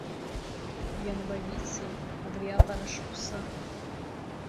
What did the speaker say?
Ианбагьыцеи абриаҟара шықәса!